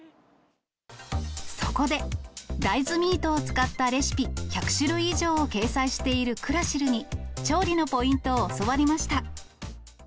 そこで、大豆ミートを使ったレシピ１００種類以上を掲載しているクラシルに、調理のポイントを教わりました。